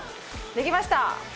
できました。